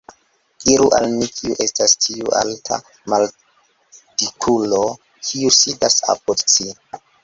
Diru al mi, kiu estas tiu alta maldikulo, kiu sidas apud ci?